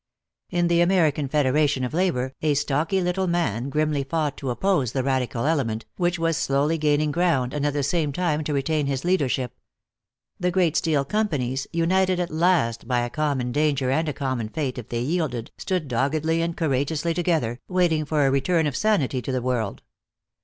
In the American Federation of Labor a stocky little man grimly fought to oppose the Radical element, which was slowly gaining ground, and at the same time to retain his leadership. The great steel companies, united at last by a common danger and a common fate if they yielded, stood doggedly and courageously together, waiting for a return of sanity to the world.